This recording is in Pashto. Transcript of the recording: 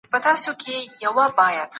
له سهاره راته ناست